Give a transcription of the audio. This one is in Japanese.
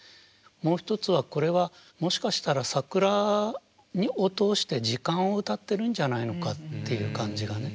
もう一つはこれはもしかしたら桜を通して時間を歌ってるんじゃないのかっていう感じがね。